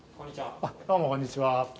あっどうもこんにちは。